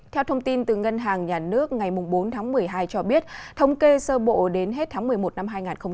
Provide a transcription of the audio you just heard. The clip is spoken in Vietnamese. theo thông tin từ ngân hàng nhà nước ngày bốn tháng một mươi hai cho biết thống kê sơ bộ đến hết tháng một mươi một năm hai nghìn hai mươi